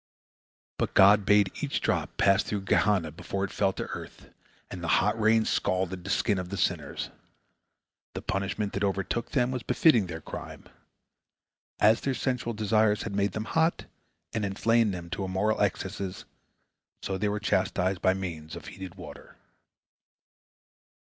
But God bade each drop pass through Gehenna before it fell to earth, and the hot rain scalded the skin of the sinners. The punishment that overtook them was befitting their crime. As their sensual desires had made them hot, and inflamed them to immoral excesses, so they were chastised by means of heated water.